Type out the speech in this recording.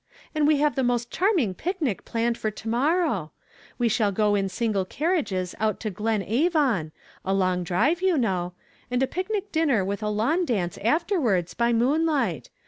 And we have the most charming pic nic planned for to morrow ! We shall go in single carriages out to Glen Avon, — a long drive, you know, — and a picnic dinner M'ith a lawn dance afterwards, by moonlight.